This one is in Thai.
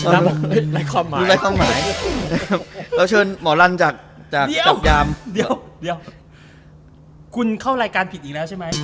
ดูไร้ความหมายเราเชิญหมอรันจากจับยามเดี๋ยวเดี๋ยวเดี๋ยวคุณเข้ารายการผิดอีกแล้วใช่ไหม